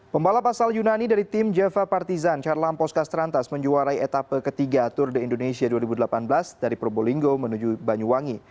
pembalap asal yunani dari tim jeva partizan charlam poska strantas menjuarai etapa ketiga tour de indonesia dua ribu delapan belas dari pro bowlingo menuju banyuwangi